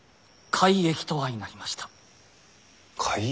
改易。